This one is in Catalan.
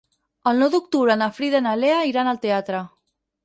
El nou d'octubre na Frida i na Lea iran al teatre.